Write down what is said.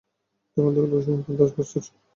তখন তাঁর বয়স মাত্র দশ বৎসর হয়েছে।